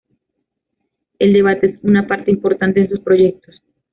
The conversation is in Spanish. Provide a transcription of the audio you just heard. El debate es una parte importante en sus proyectos.